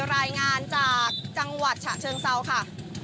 รายงานจากจังหวัดฉะเชิงเซาค่ะ